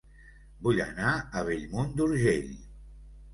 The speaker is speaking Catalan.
Vull anar a Bellmunt d'Urgell